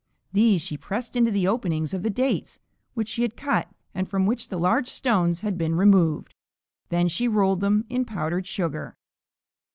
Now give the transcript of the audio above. These she pressed into the openings of the dates which she had cut and from which the large stones had been removed, then she rolled them in powdered sugar.